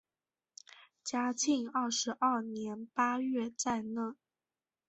嘉庆二十二年八月再任。